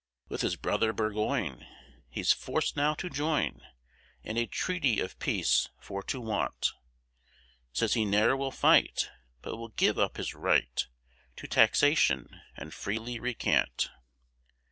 With his brother Burgoyne, He's forc'd now to join, And a treaty of peace for to want; Says he ne'er will fight, But will give up his right To taxation, and freely recant.